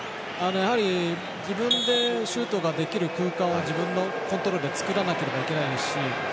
自分でシュートができる空間を自分のコントロールで作らなければいけないですし